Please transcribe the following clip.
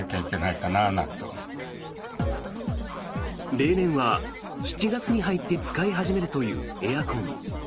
例年は７月に入って使い始めるというエアコン。